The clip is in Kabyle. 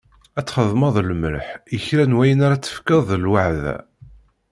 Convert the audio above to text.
Ad txedmeḍ lmelḥ i kra n wayen ara tefkeḍ d lweɛda.